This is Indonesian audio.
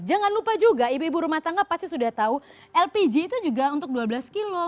jangan lupa juga ibu ibu rumah tangga pasti sudah tahu lpg itu juga untuk dua belas kilo